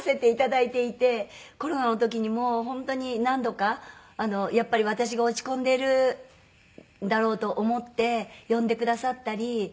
コロナの時にも本当に何度かやっぱり私が落ち込んでいるだろうと思って呼んでくださったり。